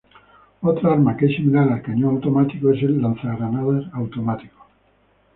Otra arma que es similar al cañón automático es el lanzagranadas automático.